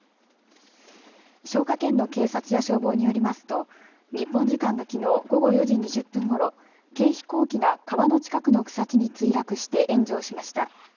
彰化県の警察や消防によりますと日本時間のきのう午後４時２０分ごろ、軽飛行機が川の近くの草地に墜落して炎上しました。